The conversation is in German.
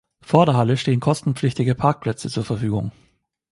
Vor der Halle stehen kostenpflichtige Parkplätze zur Verfügung.